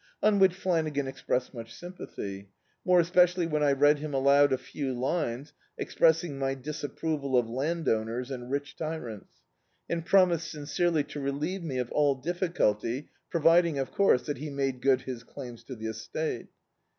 On which Flanagan expressed much sympathy — more especially when I read him aloud a few lines ex pressing my disapproval of landowners and rich tyrants — and promised sincerely to relieve me of all difficulty providing of course, that he made good his claims to the estate.